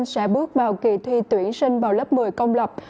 sẽ bước vào kỳ thi tuyển sinh vào lớp một mươi công lập